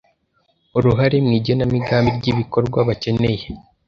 uruhare mu igenamigambi ry’ibikorwa bakeneye